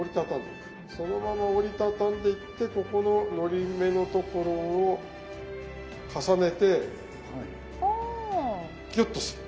そのまま折り畳んでいってここののり目のところを重ねてギュッとする。